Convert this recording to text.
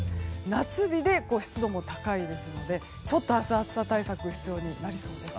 夏日で湿度も高いですのでちょっと暑さ対策が必要になりそうです。